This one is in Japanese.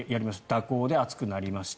蛇行で暑くなりました。